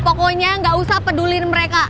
pokoknya nggak usah pedulin mereka